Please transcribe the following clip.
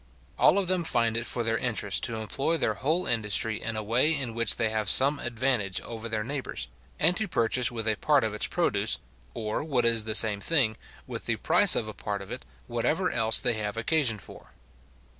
All of them find it for their interest to employ their whole industry in a way in which they have some advantage over their neighbours, and to purchase with a part of its produce, or, what is the same thing, with the price of a part of it, whatever else they have occasion for.